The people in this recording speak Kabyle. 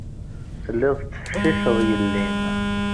Tellid tettfecciced yelli-m.